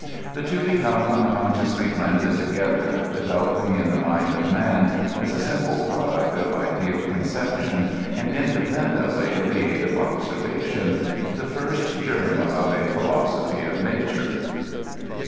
The two become imconsciously blended togellier, de > veloping in the mind of man, as a simple produet of ideal con ception, and independently o{ the aid of observation, the first germ of a PkUosoph/^ ofNatwre.